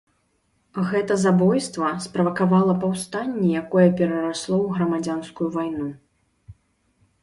Гэта забойства справакавала паўстанне, якое перарасло ў грамадзянскую вайну.